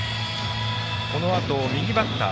このあと右バッター